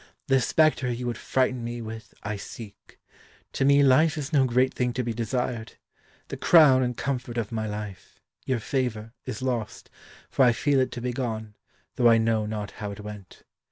"The spectre you would frighten me with, I seek. To me life is no great thing to be desired. The crown and comfort of my life your favour is lost, for I feel it to be gone, though I know not how it went.